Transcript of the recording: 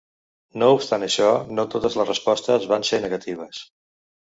No obstant això, no totes les respostes van ser negatives.